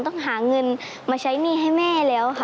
ต้องหาเงินมาใช้หนี้ให้แม่แล้วค่ะ